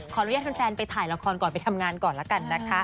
ขออนุญาตแฟนไปถ่ายละครก่อนไปทำงานก่อนละกันนะคะ